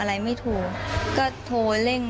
ประตู๓ครับ